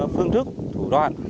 phương thức thủ đoạn